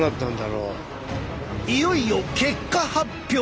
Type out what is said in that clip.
いよいよ結果発表。